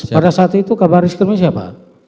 pada saat itu kabar reskrimnya siapa